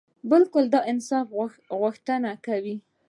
بلکي د انصاف غوښته کوي